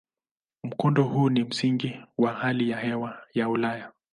Mkondo huu ni msingi kwa hali ya hewa ya Ulaya.